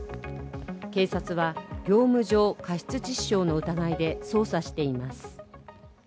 警察は業務上過失致死傷の疑いで捜査しています。